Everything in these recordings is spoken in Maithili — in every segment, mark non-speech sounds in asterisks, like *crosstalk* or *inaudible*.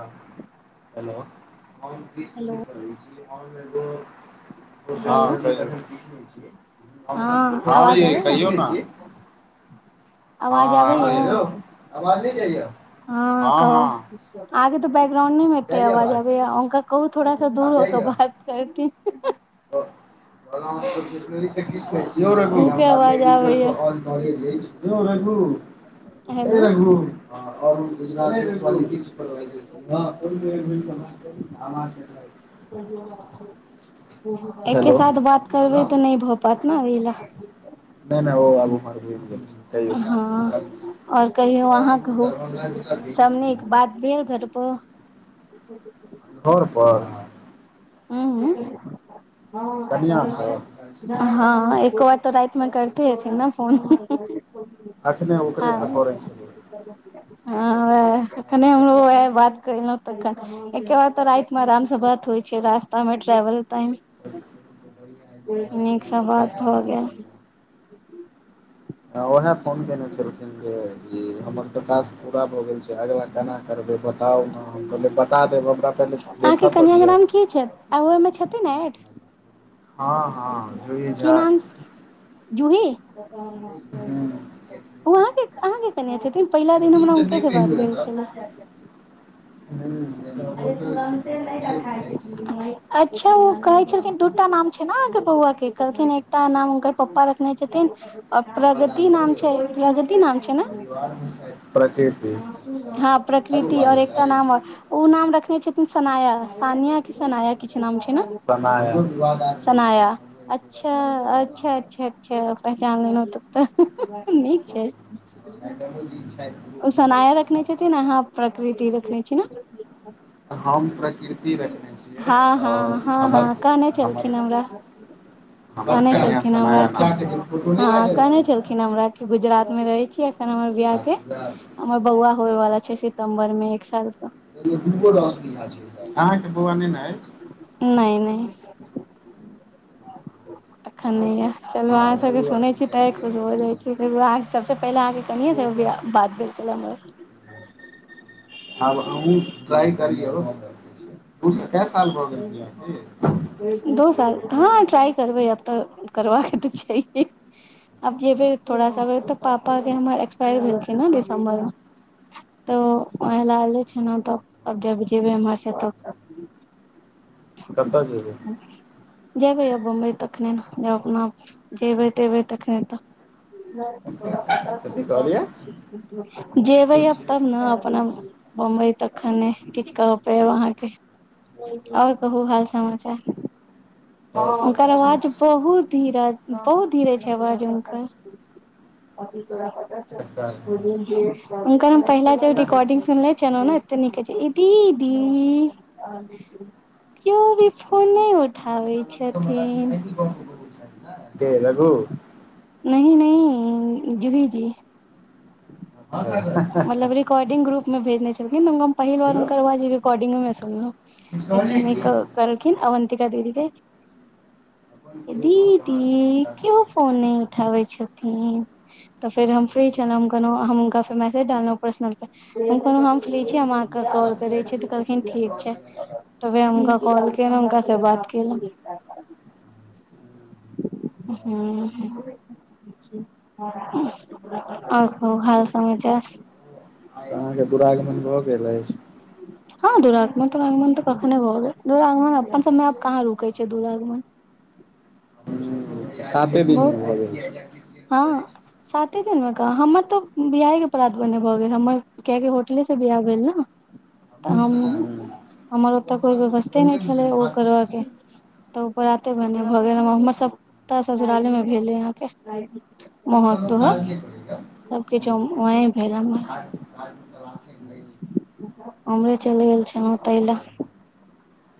हेलो हम की सधी हेलो बै छी हम एगो। हेलो हां कैहियो, हँ हाॅं आवाज यै आबैया कहियौ ना। आवाज हाॅं आबैया हेलो आवाज नै जाइया हां। आहां के तऽ बैकग्राउंडे में एते आवाज आबैया हुनका कहु थोड़ा सा दुर हो के बात। करथिन हं-हं। *inaudible* नॉलेज अइछ उनके आवाज आबैया सुनो रघु, ए हेलो रघु, हँ और। *unintelligible* एके साथ बात करबै तऽ नै भऽ पेत ना उहीला। नै-नै ओ आब उम्हर घुइम गेलखिन। हँ और कहियौ अहाँ कहु सब नीक बात। बेल घट पो घर पर उंह हूं कनिया हँ एक्को बाद तऽ रै में करतै हेथिन नऽ फोन। अखने ओकरे सँ हँ करै छेलया। हँ वएह अखने हमरो वएह बात कैहलौं। तखन एक्के बार तऽ राइत में आराम स बात होइ छै रास्ता में ट्रेवल टाइम। ह नीकसँ बात भऽ गेल। हँ ओएहे फोन केने छेलखिन जे ई हमर त टास्क पूरा भऽ गेल छै अगिला केना करबै बताउ न हम कहलियै बता देब हमरा पहिले अहाँके देखऽ तऽ कनिया के दिअ। नाम की छै आ ओहि में छथिन ने एड। हँ हँ जूही की झा नाम जूही ओ अहाँके अहाँके केने छेथिन। पहिला दिन हमरा हुनके से बात भेल छेला अच्छा अच्छा। हूं अरे तुरन्ते नै रखाइ छै गै माई। अच्छा उ कहै छलखिन दुटा नाम छै ने अहाँ के बौआ के कहलखिन एकटा नाम हुनकर पप्पा रखने छथिन। आ प्रगति नाम छै प्रगति नाम छै प्रकृति न सुधाप। प्रकृति और एकटा नाम ओ नाम रखने छथिन सनाया सानिया कि सनाया। किछ नाम छै न सना सनाया। अच्छा अच्छा अच्छा अच्छा पहचान लेलहु तब तऽ नीक छै। ओ सनाया रखने छथिन अहाँ प्रकृति रखने छी न। हम प्रकृति रखने छियै हँ आओर हँ हँ हँ कहने हमर छलखिन हमरा। कहनै छलखिन हमरा कि हँ कहने छलखिन। खिन हमरा की गुजरात मे रहै छी अखन हमर बियाह के हमर बौआ होयवाला छै सितम्बर में एक साल क। अहाँके बउआ नहि ने अछि। नै नै। अखन नहि य चलू अहाँ सबके सुनै छी तऽ खुश हो जाइ *inaudible* सबसे पहिले अहाँके कनिये से भी बात भेल छल हमर। आब अहु ट्राई करियो। पुसँ कए साल भऽ गेल बियाह के? दो साल हँ ट्राइ करबै अब तऽ करबा के तऽ छैहे। अब जे भेल थोड़ा साबे पापा के हमर एक्सपायर भेलखिन ह दिसम्बर मे। तऽ अच्छा वैह लेल छै ने तऽ अब जेबै इम्हर से त कतऽ जेबै? जेबै आब बम्बई तखने न जब अपना जेबै तेबै तखने तऽ। कथी कहलियै जेबै अब तब ने अपना बम्बई तखने किछ कहपेब अहाँके ओर कहू हाल समाचार आओर सब ओकर तऽ ठीक आवाज छै बहुत धीर बहुत धीरे छै आवाज हुंकर *unintelligible* हुनकर हम पहिला जे नहि रिकॉर्डिंग सुनले छलौ न एत नीक कहै छैथ दीदी कियो भी फोने नहि उठ *unintelligible* के रघु *unintelligible* जीभी जी हहहहह मतलब रिकॉर्डिंग ग्रुप मे भेजने छलखिन हम पहिलबार हुनकर आवाज रिकॉर्डिंग मे सुनलहुं एते नीक कहलखिन अवंतिका दीदी के दीदी कियो फोन नहि उठाबै छथिन तऽ फेर हम फ्री छलहुं कहनो हम हुनका फेर मैसेज डलहुं पर्सनल पे हम कह हम फ्री छी हम अहाँके कॉल करै छी तऽ कहलखिन ठीक छै तऽ वे हुनका कॉल केलोे हुनका से बात केलो हू हू ओर कहु हाल समाचार अहाँके दुरागमन भऽ गेल अछि हँ दुरागमन-तुरागमन तऽ कखने भऽ गेल दुरागमन अपन सबमे आब कहाँ रुके छै दुरागमन हुं साते दिन बहुत भी जाए छै हँ साते दिनमे कहाँ हमर तऽ बियाहे के प्रात भने भऽ गेल हमर कियैकि होटले से बियाह भेल न। तऽ हम हमर ओतऽ कोइ व्यवस्थे नहि छलै ओ करबऽ के तऽ ओ प्राते भने भऽ गेल हमर सबटा ससुराले मे भेलै अहाँके मौहक-तौकह सब किछ वहें भेल हमर *unintelligible* उमरे चलि गेल छलौ ताहि लै।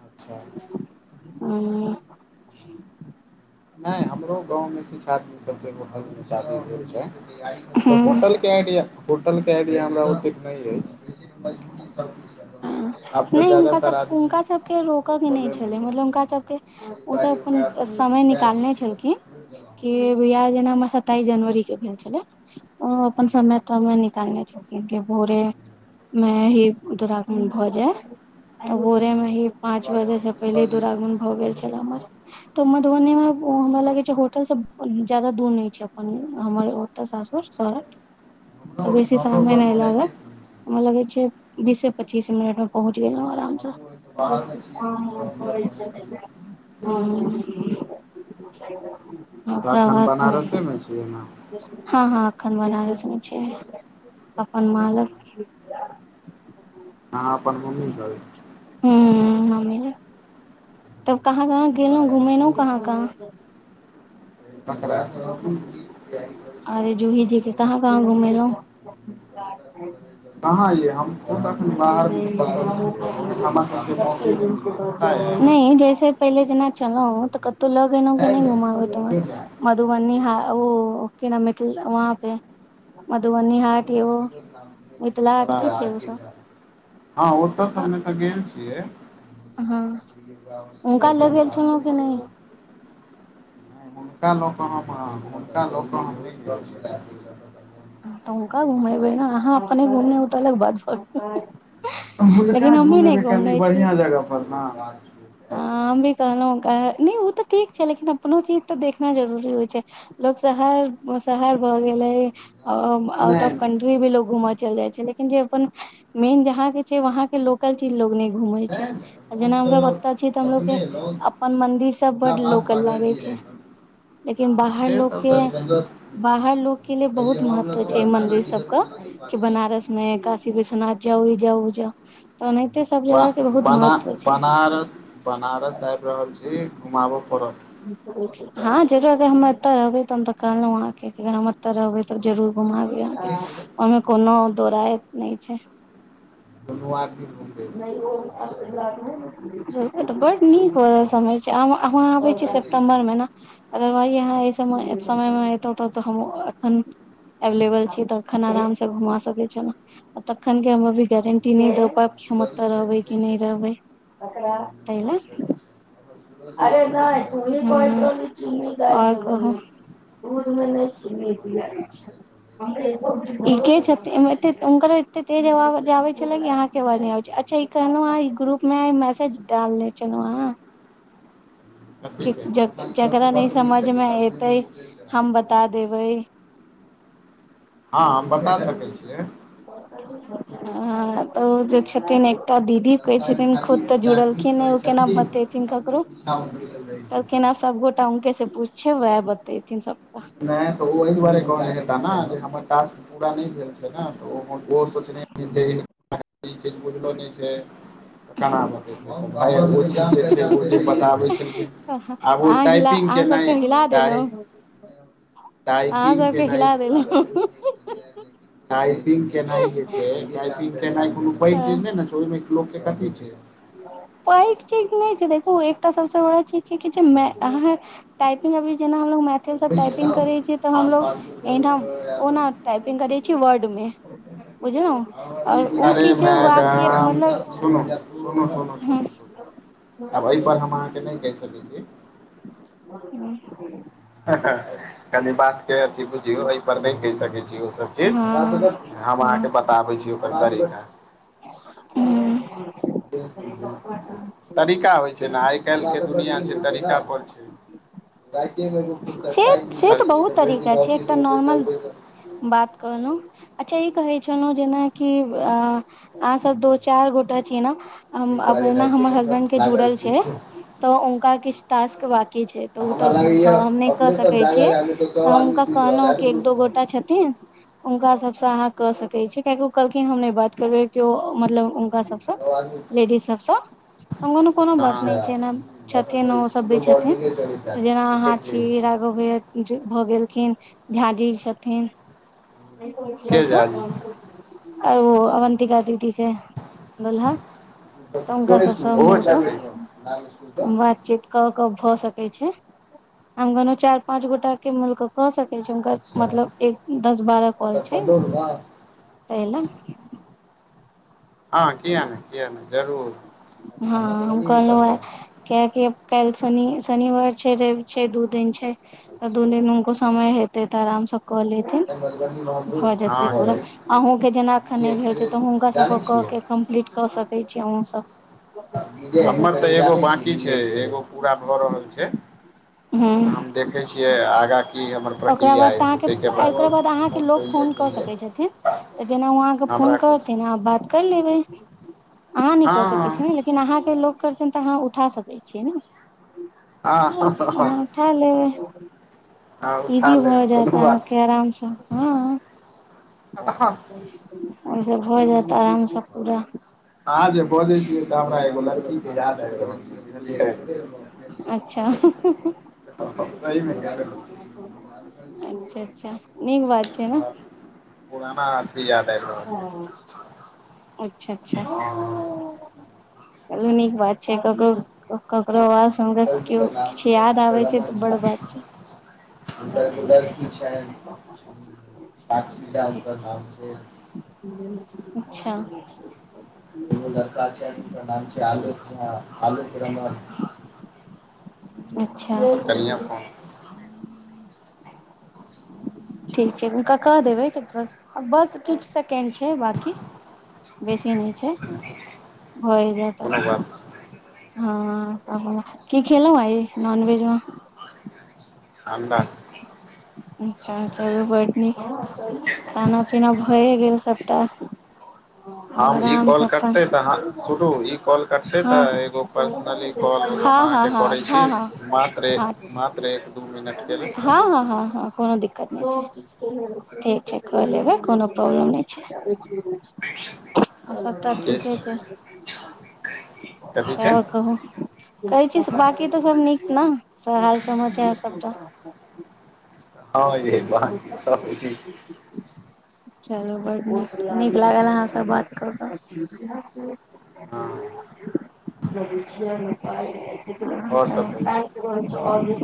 अच्छा हू नै हमरो गाँवमे किछु आदमी सबके होटल में शादी भेल छैय। तऽ होटल के आइडिया हो होटल के आइडिया हमरा ओतेक नै अछि नै हुनका सब हुनका सबके रोकऽ के नै होटलेमे छलै तऽ मतलब हुनका सबके ओ सब अपन समय निकालने छेलखिन कि बियाह जेना हमर सत्ताइस जनवरी के भेल छेलेै। ओ अपन समय-तमय निकालने छेलखिन की भोरे में ही दुरागमन भऽ जै। आ भोरे मे ही पाँच बजे से पहिले दुरागन भऽ गेल छैल हमर तऽ मधुबनी मे ओ हमरा लागै छै होटल से जादा दूर नै छै अपन हमर ओ तऽ सासुर सौराठ तऽ बेसी सामय नै लागल हमरा लगे छै बीसे-पच्चीस मिनट मे पहुँच गेलौ। आराम सऽ छै। *unintelligible* तऽ ओकरा एखन बाद त बनारसेमे छियै ने हँ हँ एखन बनारसमे छिये अपन माँ लग आहाँ अपन मम्मी लग हुं मम्मी यै तब कहाँ-कहाँ गेलौ? घुमेनू कहां-कहां? अरे जूही जी के कहाँ-कहाँ घुमेलौ? कहाँ यै हम निकलै पता य *unintelligible* नै जैसे पहिले जेना छलौ तऽ कतौ लऽ गेलौ की नै घुमाबै तुमा मधुबनी हा ओ की ना मिथिल वहाँ पे मधुबनी हाट‌ यौ, मिथिला हाट की छै उ सब? हां ओता सबमे तऽ गेल छियै। हां हुनका लै गेल छेलौ कि नै? नै हुनका लो कहां-कहां हुनका लो कऽ हम नै गेल छलिए। हां तऽ हुनका घुमेबै नै अहाँ अपने घूमनी उ तऽ अलग बात छै। तऽ हुनका घुमेबै कनि बढ़िया जगह पर नै रांच हां हम भी कहलौ ओकरा नै ओ तऽ ठीक छै लेकिन अपनो चीज तऽ देखना जरूरी होइ छै। लोक शहर ओ शहर भऽ गेलै। औ आउट ऑफ कन्ट्री भी लोग घूमऽ चैल जाइ छै लेकिन जे अपन मेन जहाँ के छै वहाँ के लोक लोकल चीज लोग नै घूमै छै आ जेना हम ओ तऽ छी तऽ हमलोग के अपन मंदिर सब बड लोकल लागे छै। लेकिन बाहर से लोक सब के बाहर लोक के लिए बहुत महत्व छै मंदिर सब कऽ कि बनारस मे काशी विश्वनाथ जाउ, ई जाउ, उ जाउ तऽ ओनाहिते सब ब जगह के बहुत बना महत्व छै। बनारस बनारस आएब रहल छी, घुमाबै पड़त। हां जरूर अगर हम एतऽ रहबै त हम तऽ कहलौ अहाँके की हमर तऽ रहबै तब जरूर घुमायबय आहाँके ओय में कोनो दौराय नै छै। दुनू आदमी घुमबै से। *unintelligible* एठा बड नीक वाला समय छै, आब आहाँ आबै छी ऐना अदरवाइज आहाँ ऐ समय समय मे एतौ तब तऽ हम एखन एवेलेबल छी तऽ एखन आराम से घुमा सकै छेलौ। अ तखन के हम अभी गारंटी नै दै पाएब। हम एता रहबै कि नै रहबै तै लए। से तऽ छै। और कहुँ? आओर सब इ के छथिन हें तेक हुनकर एते तेज आवाज आबेै छलै है कि अहाँ के आवाज नै आबे छैला, अच्छा ई कहलौ अहाँके ग्रुप में आय मैसेज डालने छेलौ आहाँ की जेक जेकरा नै समझ मे एतेै हम बता देबै। हां हम बता सकै छियै। हां तऽ ओ जे छथिन एक तऽ दीदी कहै छथिन खुद तऽ जुड़लखिन ए ओ केना बतेथिन ककरो? *unintelligible* तब कैना सबगोटा हुनके से पूछे वैह बतेथिन सब। नै तऽ ओ ए दुआरे कहे हेता नै हमर टास्क पूरा नै भेल छै नै तऽ ओ उहो सोचने हेथीन जे हिनका ई चीज बुझलो नै छै। त केना बतैते *unintelligible* ओ जे बताबै छलखिन आब ओ अहाँ हिला टाइपिंग अहाँ के नै सबके हिला टाए देलहुँ अहाँ टाइपिंग सबके केनाई हिला देलहुँ टाइपिंग केनाइ जे छै टाइपिंग केनाई कोनो पैघ चीज नै ने छै ओइ मे लोक के कथि छै। पैघ चीज नै छै देखू एकटा सबसे बड़ा चीज छै कि अहाँ टाइपिंग अभी जेना हमलोग मैथिली से टाइपिंग करे छी ते हमलोग एहि ठाम ओना टाइपिंग करे छी वर्ड में अरे की छै वाक्य मैडम मतलब सुनु सुनू सुनू हँ सुनू, आब एहि पर हम अहाँके नहि कहि सकै छी। *inaudible* कनि बात के अथि बुझियौ एहि पर नहि कहि सकै छी ओ सब हे हँ हम अहाँके बताबै छी ओकर तरीका हूं। तरीका होइ छै ने आइ काल्हि के दुनिआ छै तरीका पर छै। *unintelligible* भरि दिन फिस से से तऽ बहुत तरीका छै एकटा मे बैसल नॉर्मल बैसल बात कहलहुं, अच्छा ई कहै छलौं जेनाकि अ अहाँ सब दो चारि गोटा छियै ने एना हमर हसबेंड के जुड़ल छै तऽ हुनका किछ टास्क बाकी छै तऽ ओ तऽ हम नहि कऽ सकैत छियै हँ हुनका कहलहुं कि एक दो गोटा छथिन हुनका सबसँ अहाँ क सकै छियै कियाकि ओ कहलखिन हम नहि बात करबेै कि मतलब हुनका सब स लेडीज सब सं कोनो बात नहि छै ना छथिन ओ सब भी छथिन, जेना अहाँ छी भऽ गेलखिन, झाजी छथिन। के जानी सबसं, आर ओ अवन्तिका दीदी त भेल हा तऽ हुनका सब सं मिल कऽ बातचीत कऽ क भऽ सकै छै, अंगनहु चारि पाँंच गोटा के मिलकऽ कऽ सकैत छै हुनकर मतलब एक दस बारह कॉल छै। तै ल। हँ किया नै किया नै, जरूर। हँ हम कोहलहुं ए कियाकि काल्हि शनि शनिवार छै रवि छै दू दिन छै। त दू दिन हुनको समय हेतै तऽ आराम से क लेब। भऽ जेतै पूरा, अहूँके जेना एखन नहि भेल छै तऽ हुनका सबके कऽ के कम्प्लीट कऽ सकै छी अहुँ सब। भऽ हमर जेतै तऽ एगो बाकी छै एगो पूरा भऽ रहल छै। तऽ हूँ। हम देखै छियै आगाँ की हमर ओकरा प्रक्रिया बाद त एतै अहाँके ताहिके ओकरा बाद अहाँके लोक फोन कऽ सकै छथिन। तऽ जेना ओ अहाँके फोन हमरा करथिन अहां बात कर लेबै अहाँ नै क सकैत छी हँ ने। लेकिन अहाँके लोक करथिन तऽ अहाँ उठा सकै छियै ने, हँ बस हँ ओना हलो, हँ उठा इजी लेबै भऽ जायत कोनो बात अहाँके आराम से, हँ। हँ। ओइ से भऽ जायत आराम सँ पूरा। आहाँ जे बजै छियै तऽ हमरा एगो लड़की के याद आबि रहल अछि। बुझलियै। अच्छा हं सही मे कहलहुं। अच्छा अच्छा नीक बात छै ने पुराना अथि याद आबि रहल अछि। अच्छा अच्छा *unintelligible* चलू नीक बात छै ककरो ककरो आस हमरा कियो किछ याद आबै छै तऽ बड़ बात छैय। हुनकर अन्दर की छैन *unintelligible* हुनकर नाम छैन। अच्छा कोनो लड़का छैन हुनकर नाम छैय आलोक झा आलोक रमन। अच्छा हमर कनिए फोन ठीक छै हुनका कह देबै की बस आ बस किछ सेकेंड छैय बाकी, बेसी नैय छै भए जेतऽ कोनो आब। बात हँ हं की खेलौं आय नॉन वेज मे? अंडा। अच्छा चलू बड नीक खाना पीना भए गेल सबटा। *unintelligible* आब हम ई आराम से कॉल अपन कटतेै तऽ हां, सुनु ई कॉल कटतै त हँ एगो पर्सनली कॉल हम हँ आहाँ हँ के हँ करै छी हँ हँ मात्र एक हँ मात्र एक दू मिनट के हँ हँ हँ हँ कोनो दिक्कत नैय छैय। ठीक छै कऽ लेबै कोनो प्रॉब्लम नैय छैय। और सबटा लेल ठीके छैय। कथी छै सैहबक कहु। कहै छी स बाकी तऽ सब नीक ना सब हाल समाचार सबटाऽ हँ यै बाँकी सब *unintelligible* *inaudible* चलू बड्ड नीक, नीक लागल आहाँ स बात कऽ कऽ। हँ *unintelligible* लगै छियैन पाई एतेक रखैइ आओर सब कहियौ छ *unintelligible* आर *unintelligible*